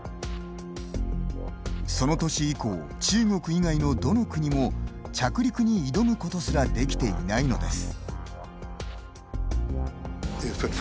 その年以降中国以外のどの国も着陸に挑むことすらできていないのです。